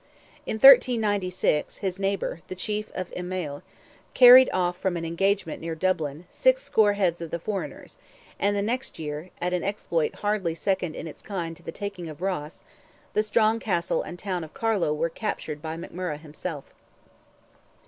In 1396, his neighbour, the chief of Imayle, carried off from an engagement near Dublin, six score heads of the foreigners: and the next year—an exploit hardly second in its kind to the taking of Ross—the strong castle and town of Carlow were captured by McMurrogh himself.